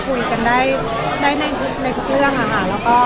จริงอย่างที่บอกนะว่าเราเรียนรู้กันมาจากฝั่งเป็นเพื่อน